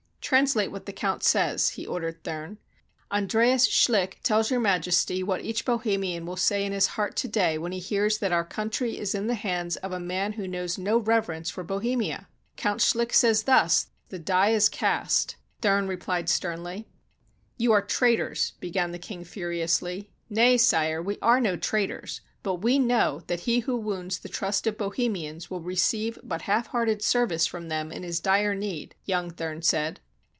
"Translate what the count says," he ordered Thurn. "Andreas Schlick tells Your Majesty what each Bo hemian will say in his heart to day when he hears that our country is in the hands of a man who knows no rev erence for Bohemia! Count Schlick says thus: 'The die is cast!'" Thurn replied sternly. ''You are traitors," began the king furiously. "Nay, sire, we are no traitors; but we know that he who wounds the trust of Bohemians will receive but half hearted service from them in his dire need," young Thurn said.